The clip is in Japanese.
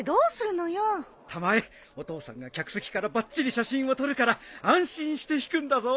たまえお父さんが客席からばっちり写真を撮るから安心して弾くんだぞ。